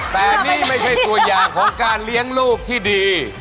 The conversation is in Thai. แต่นี่ไม่ใช่ตัวอย่างของการเลี้ยงลูกที่ดี